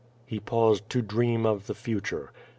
He paused to dream of the future.